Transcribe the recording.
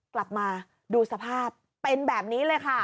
กลับมาดูสภาพเป็นแบบนี้เลยค่ะ